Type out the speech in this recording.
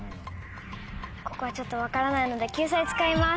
ここはちょっと分からないので救済使います。